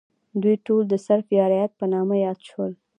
دوی ټول د سرف یا رعیت په نامه یاد شول.